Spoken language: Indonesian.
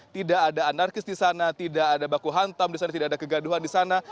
tidak ada anarkis di sana tidak ada baku hantam di sana tidak ada kegaduhan di sana